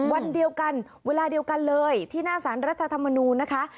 วันเดียวกันเวลาเดียวกันเลยที่หน้าสารรัฐธรรมนูญนะคะ